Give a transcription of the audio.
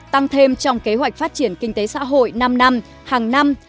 tăng thêm trong kế hoạch phát triển kinh tế xã hội năm năm hàng năm